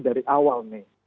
dari awal nih